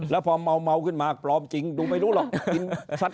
แล้วพอเมาขึ้นมาปลอมจริงดูไม่รู้หรอก